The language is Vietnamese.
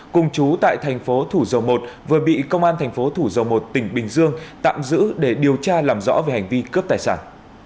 cùng chú tại thành phố thủ dầu một vừa bị công an thành phố thủ dầu một tỉnh bình dương tạm giữ để điều tra làm rõ về hành vi cướp tài sản